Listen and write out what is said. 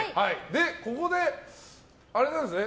ここで、あれなんですよね？